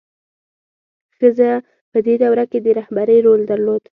ښځه په دې دوره کې د رهبرۍ رول درلود.